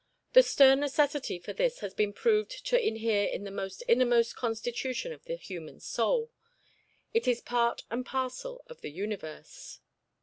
The stern necessity for this has been proved to inhere in the innermost constitution of the human soul. It is part and parcel of the universe.